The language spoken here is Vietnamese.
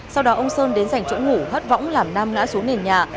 sau đó ông sơn đến dành chỗ ngủ hất võng làm nam ngã xuống nền nhà